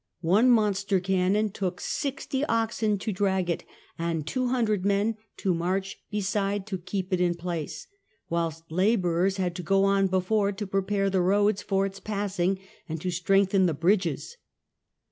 One monster cannon took sixty oxen to drag it, and 200 men to march be side to keep it in place ; whilst labourers had to go on before to prepare the roads for its passing and to strengthen the bridges